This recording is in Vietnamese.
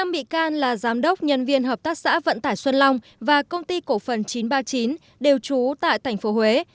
năm bị can là giám đốc nhân viên hợp tác xã vận tải xuân long và công ty cổ phần chín trăm ba mươi chín đều trú tại tp huế